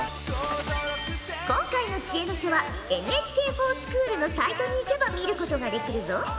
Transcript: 今回の知恵の書はＮＨＫｆｏｒＳｃｈｏｏｌのサイトにいけば見ることができるぞ。